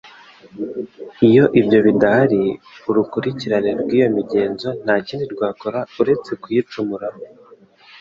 Iyo ibyo bidahari urukurikirane rw'iyo migenzo nta kindi rwakora uretse kuyicumuraho.